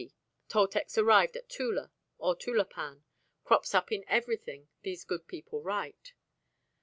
D. Toltecs arrived at Tula or Tulapan" crops up in everything these good people write.